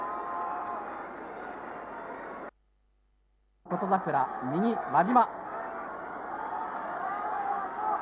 琴櫻、右、輪島。